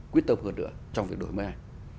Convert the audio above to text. quyết tâm hơn nữa trong việc đổi mới